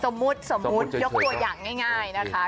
สมมุติยกตัวอย่างง่ายนะคะ